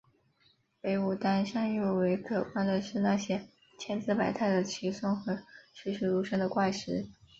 北武当山尤为可观的是那些千姿百态的奇松和栩栩如生的怪石。